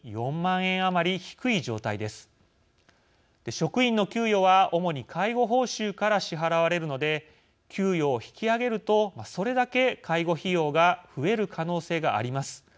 職員の給与は主に介護報酬から支払われるので給与を引き上げるとそれだけ介護費用が増える可能性があります。